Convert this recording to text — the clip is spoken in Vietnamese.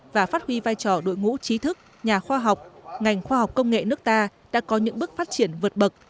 và phát huy vai trò đội ngũ trí thức nhà khoa học ngành khoa học công nghệ nước ta đã có những bước phát triển vượt bậc